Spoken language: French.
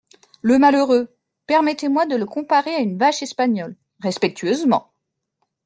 Le malheureux ! permettez-moi de le comparer à une vache espagnole… respectueusement !